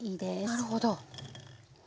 なるほど。